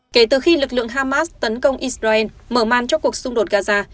kể từ khi lực lượng hamas tấn công israel mở màn cho cuộc xung đột gaza